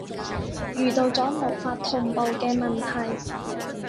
遇到咗無法同步嘅問題